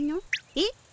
えっ？